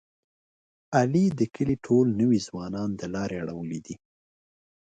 علي د کلي ټول نوی ځوانان د لارې اړولي دي.